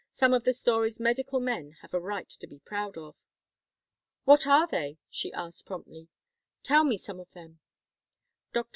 Some of the stories medical men have a right to be proud of?" "What are they?" she asked, promptly. "Tell me some of them." Dr.